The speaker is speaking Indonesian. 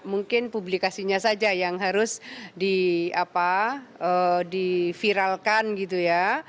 mungkin publikasinya saja yang harus diviralkan gitu ya